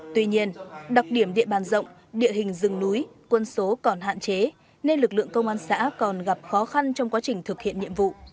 tuy nhiên đặc điểm địa bàn rộng địa hình rừng núi quân số còn hạn chế nên lực lượng công an xã còn gặp khó khăn trong quá trình thực hiện nhiệm vụ